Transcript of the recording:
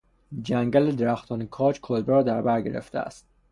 جنگل درختان کاج کلبه را در برگرفته است.